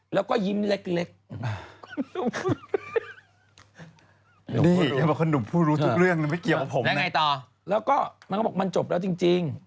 แล้วก็นางเขาบอกมันจบแล้วจริง